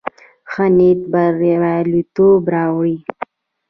ښه نيت برياليتوب راوړي.